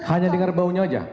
hanya dengar baunya aja